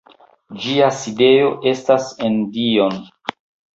Ĝia sidejo estas en Dijon.